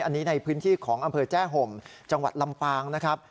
อันนี้ในพื้นที่ของอำเภอแจ้ห่มจังหวัดลำปางนะครับ